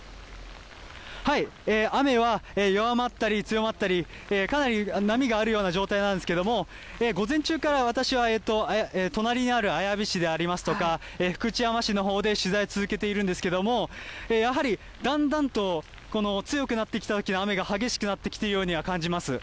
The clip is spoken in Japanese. はい、雨は弱まったり、強まったり、かなり波があるような状態なんですけれども、午前中から私は隣にある綾部市でありますとか、福知山市のほうで取材を続けているんですけれども、やはりだんだんと強くなってきた、雨が激しくなってきているように感じます。